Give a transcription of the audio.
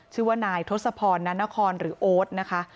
ชื่อว่านายทศพรนานครหรือโอ๊ตนะคะ